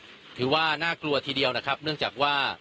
ตอนนี้ผมอยู่ในพื้นที่อำเภอโขงเจียมจังหวัดอุบลราชธานีนะครับ